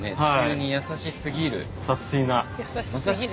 サスティな。